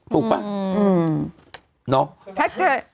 ถูกป๊ะน้องถัดเธอ